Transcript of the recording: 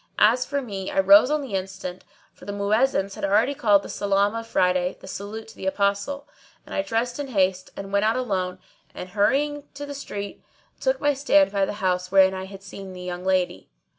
As for me I rose on the instant, for the Muezzins had already called the Salam of Friday, the salutation to the Apostle;[FN#628] and I dressed in haste and went out alone and, hurrying to the street, took my stand by the house wherein I had seen the young lady.